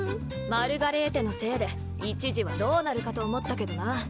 マルガレーテのせいで一時はどうなるかと思ったけどな。